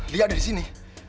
lihat dia disini